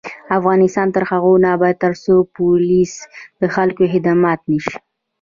افغانستان تر هغو نه ابادیږي، ترڅو پولیس د خلکو خدمتګار نشي.